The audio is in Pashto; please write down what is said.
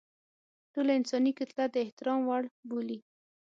ټوله انساني کتله د احترام وړ بولي.